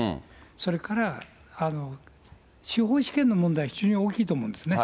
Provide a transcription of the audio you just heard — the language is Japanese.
それから、司法試験の問題、非常に大きいと思うんですね。